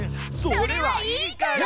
それはいいから！